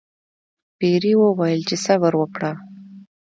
پیري وویل چې صبر وکړه.